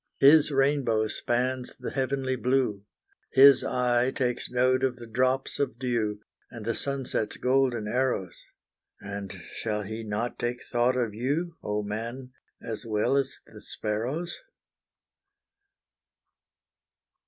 His rainbow spans the heavenly blue; His eye takes note of the drops of dew, And the sunset's golden arrows; And shall He not take thought of you, O man, as well as the sparrows?